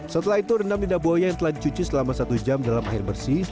setelah itu rendam lidah buaya yang telah dicuci selama satu jam dalam air bersih